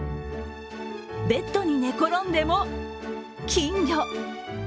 ベッドに寝転んでも金魚。